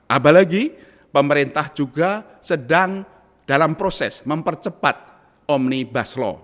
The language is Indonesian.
apalagi pemerintah juga sedang dalam proses mempercepat omnibus law